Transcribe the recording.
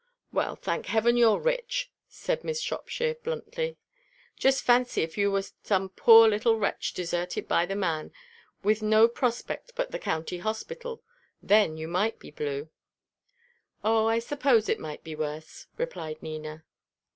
"Well, thank Heaven you're rich," said Miss Shropshire, bluntly. "Just fancy if you were some poor little wretch deserted by the man, and with no prospect but the county hospital; then you might be blue." "Oh, I suppose it might be worse!" replied Nina.